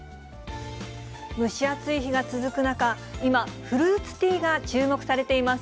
蒸し暑い日が続く中、今、フルーツティーが注目されています。